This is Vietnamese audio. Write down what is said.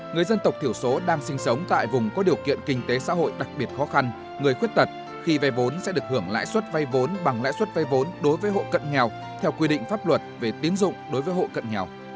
người dân tộc thiểu số đang sinh sống tại vùng có điều kiện kinh tế xã hội đặc biệt khó khăn người khuyết tật khi vay vốn sẽ được hưởng lãi suất vay vốn bằng lãi suất vay vốn đối với hộ cận nghèo theo quy định pháp luật về tiến dụng đối với hộ cận nghèo